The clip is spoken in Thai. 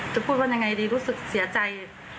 พูดว่ายังไงดีรู้สึกเสียใจ